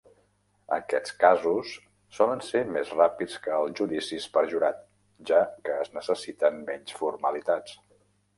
Aquests casos solen ser més ràpids que els judicis per jurat, ja que es necessiten menys formalitats.